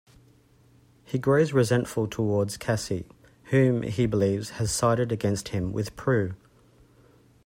He grows resentful towards Cassie, whom he believes has sided against him with Prue.